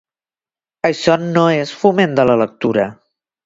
Això no és foment de la lectura.